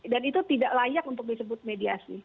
dan itu tidak layak untuk disebut mediasi